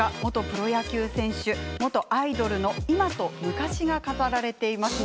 プロ野球選手、元アイドルの今と昔が飾られています。